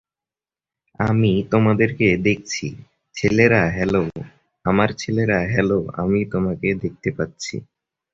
আমি তোমাদেরকে দেখছি, ছেলেরা হ্যালো, আমার ছেলেরা হ্যালো আমি তোমাকে দেখতে পাচ্ছি।